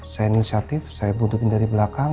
saya inisiatif saya bunuh dia dari belakang